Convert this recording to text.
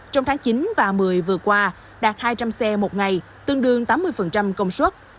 trong tháng chín và một mươi vừa qua đạt hai trăm linh xe một ngày tương đương tám mươi công suất